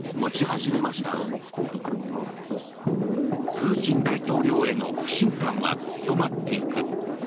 プーチン大統領への不信感は強まっていく。